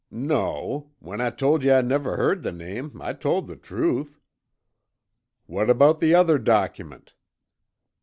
"No. When I told yuh I'd never heard the name, I told the truth." "What about that other document?"